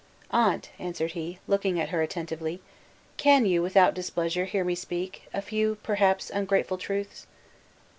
"Aunt," answered he, looking at her attentively, "can you, without displeasure, hear me speak a few, perhaps ungrateful, truths?"